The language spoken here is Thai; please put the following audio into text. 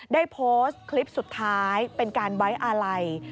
ได้โพสต์คลิปสุดท้ายเป็นการไว้อาลัย